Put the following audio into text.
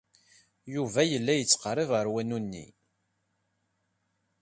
Yuba yella yettqerrib ɣer wanu-nni.